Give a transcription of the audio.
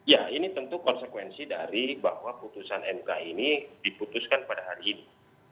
ya ini tentu konsekuensi dari bahwa putusan mk ini diputuskan pada hari ini